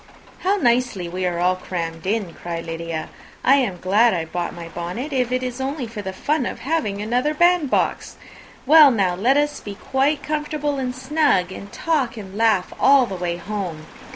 "How nicely we are crammed in!" cried Lydia. "I am glad I brought my bonnet, if it is only for the fun of having another band box! Well, now let us be quite comfortable and snug, and talk and laugh all the way home.